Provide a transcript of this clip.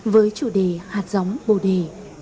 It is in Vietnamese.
với chủ đề hạt giống bồ đề